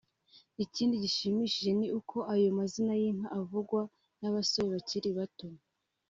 Ikindi gishimishije ni uko ayo mazina y’inka avugwa n’abasore bakiri bato